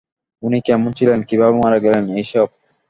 উনি কেমন ছিলেন, কীভাবে মারা গেলেন, এইসব।